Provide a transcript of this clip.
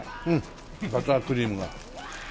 バタークリームが。